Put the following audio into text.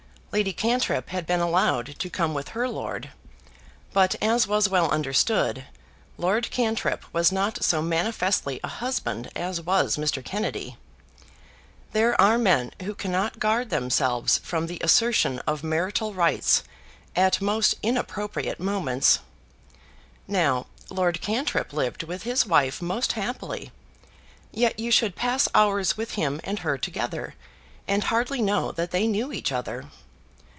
Lady Cantrip had been allowed to come with her lord; but, as was well understood, Lord Cantrip was not so manifestly a husband as was Mr. Kennedy. There are men who cannot guard themselves from the assertion of marital rights at most inappropriate moments. Now Lord Cantrip lived with his wife most happily; yet you should pass hours with him and her together, and hardly know that they knew each other.